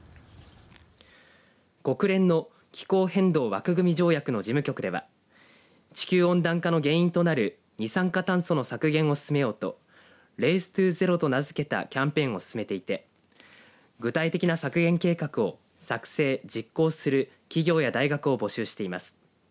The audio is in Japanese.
国連の気候変動枠組条約の事務局では地球温暖化の原因となる二酸化炭素の削減を進めようとＲａｃｅｔｏＺｅｒｏと名付けたキャンペーンを進めていて具体的な削減計画を作成、実行する企業や大学を募集しています。